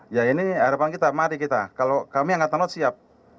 ya ini harapan kita mari kita kalau kami angkatan laut siap